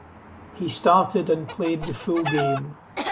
He started and played the full game.